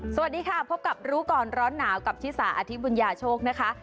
สวัสดีค่ะพบกับรู้ก่อนร้อนหนาวกับชิสาอธิบุญญาโชคนะคะ